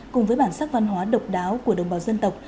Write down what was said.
cùng với bản sắc văn hóa độc đáo của đồng bào dân tộc